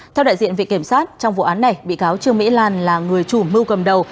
theo đại diện viện kiểm sát trong vụ án này bị cáo trương mỹ lan là người chủ mưu cầm đầu